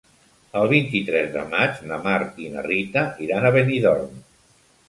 El vint-i-tres de maig na Mar i na Rita iran a Benidorm.